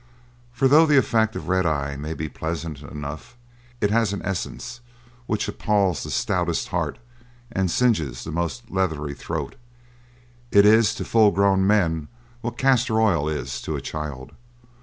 For though the effect of red eye may be pleasant enough, it has an essence which appalls the stoutest heart and singes the most leathery throat; it is to full grown men what castor oil is to a child.